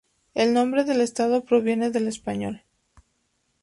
El nombre del estado proviene del español.